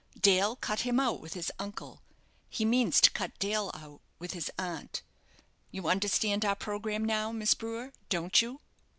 Dale cut him out with his uncle he means to cut Dale out with his aunt. You understand our programme now, Miss Brewer, don't you?"